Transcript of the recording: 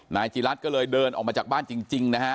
นายจิรัตน์ก็เลยเดินออกมาจากบ้านจริงนะฮะ